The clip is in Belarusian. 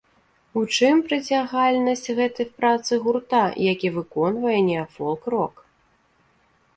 У чым прыцягальнасць гэтай працы гурта, які выконвае неафолк-рок?